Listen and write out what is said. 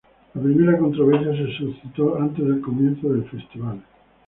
La primera controversia se suscitó antes del comienzo del festival.